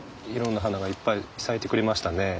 いろんな花がいっぱい咲いてくれましたね。